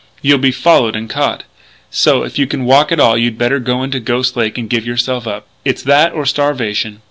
You'll be followed and caught.... So if you can walk at all you'd better go in to Ghost Lake and give yourself up.... It's that or starvation....